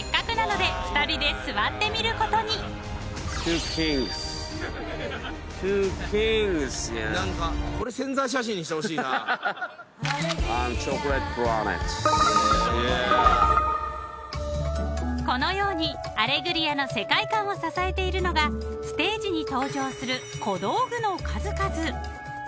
Ｉ’ｍＣｈｏｃｏｌａｔｅｐｌａｎｅｔ．［このように『アレグリア』の世界観を支えているのがステージに登場する小道具の数々］